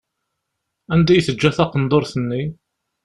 Anda i teǧǧa taqenduṛt-nni?